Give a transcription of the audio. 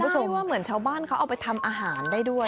เพราะว่าเหมือนชาวบ้านเขาเอาไปทำอาหารได้ด้วย